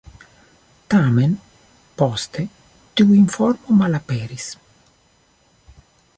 Tamen poste tiu informo malaperis.